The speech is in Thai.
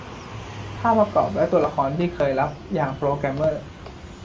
ภาพประกอบ และตัวละครที่เคยลับอย่างโปรแกรมเมอร์